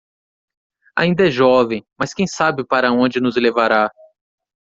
Ainda é jovem, mas quem sabe para onde nos levará.